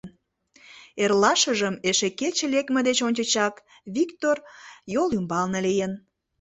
Эрлашыжым, эше кече лекме деч ончычак, Виктор йол ӱмбалне лийын.